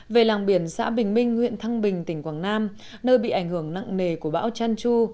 về làng biển xã bình minh huyện thăng bình tỉnh quảng nam nơi bị ảnh hưởng nặng nề của bão chan chu